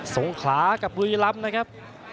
สงขลากับวีรัมนะครับ